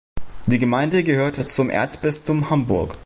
Die Gemeinde gehört zum Erzbistum Hamburg.